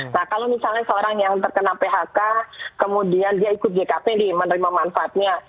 nah kalau misalnya seorang yang terkena phk kemudian dia ikut jkp nih menerima manfaatnya